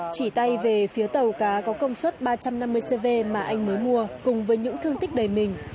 chỉ tay về phía tàu cá có công suất ba trăm năm mươi cv mà anh mới mua cùng với những thương tích đầy mình